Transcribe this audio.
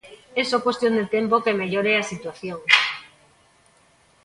É só cuestión de tempo que mellore a situación.